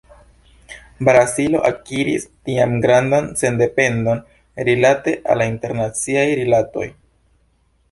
Brazilo akiris tiam grandan sendependon rilate al internaciaj rilatoj.